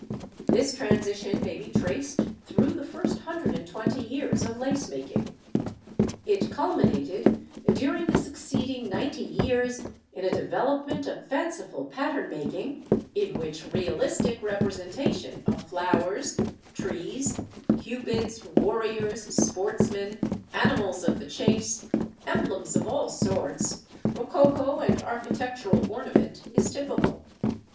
This transition may be traced through the first hundred and twenty years of lace making. It culminated during the succeeding ninety years in a development of fanciful pattern making, in which realistic representation of flowers, trees, cupids, warriors, sportsmen, animals of the chase, emblems of all sorts, rococo and architectural ornament, is typical.